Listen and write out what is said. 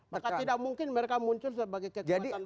maka tidak mungkin mereka muncul sebagai kekuatan